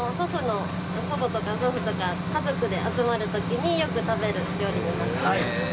祖父や祖母家族で集まる時によく食べる料理になってます。